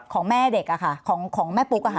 ของแม่เด็กของแม่ปุ๊กอะค่ะ